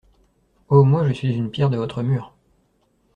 Oh, moi, je suis une pierre de votre mur.